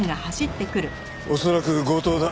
恐らく強盗だ。